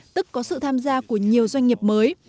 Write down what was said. tức có sự tham gia của nhiều doanh nghiệp mới